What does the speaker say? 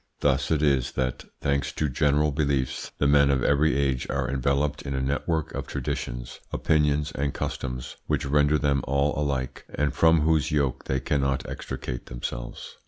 Thus it is that, thanks to general beliefs, the men of every age are enveloped in a network of traditions, opinions, and customs which render them all alike, and from whose yoke they cannot extricate themselves.